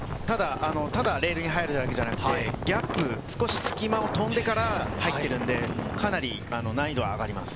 ただレールに入るだけじゃなくて、ギャップ、少しすき間を飛んでから入るんで、かなり難易度は上がります。